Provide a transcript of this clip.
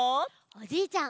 おじいちゃん